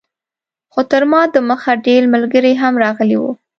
خو تر ما دمخه ډېر ملګري هم راغلي وو.